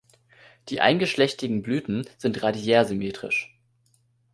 Die eingeschlechtigen Blüten sind radiärsymmetrisch.